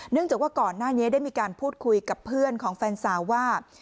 จากว่าก่อนหน้านี้ได้มีการพูดคุยกับเพื่อนของแฟนสาวว่า